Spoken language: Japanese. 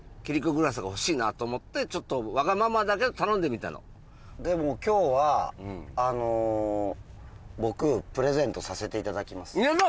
グラスが欲しいなと思ってちょっとワガママだけど頼んでみたのでも今日はあのうん僕プレゼントさせていただきます